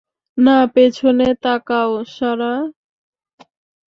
না পেছনে তাকাও, সারা!